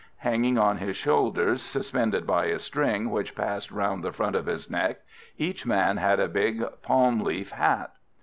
Hanging on his shoulders, suspended by a string which passed round the front of his neck, each man had a big palm leaf hat.